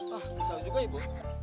wah bisa juga ibu